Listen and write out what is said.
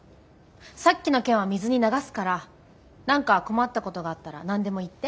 さっきの件は水に流すから何か困ったことがあったら何でも言って。